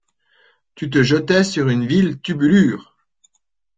Tu te jetais sur une vile tubulure!